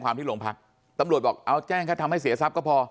ที่โรงพักตำรวจบอกเอาแจ้งแค่ทำให้เสียทรัพย์ก็พอ